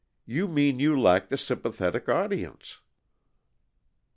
"You mean you lack the sympathetic audience."